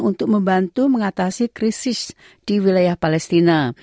untuk membantu mengatasi krisis di wilayah palestina